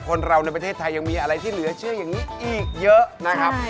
คนเราในประเทศไทยยังมีอะไรที่เหลือเชื่ออย่างนี้อีกเยอะนะครับ